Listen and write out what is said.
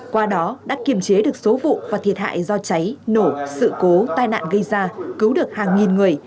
qua đó đã kiềm chế được số vụ và thiệt hại do cháy nổ sự cố tai nạn gây ra cứu được hàng nghìn người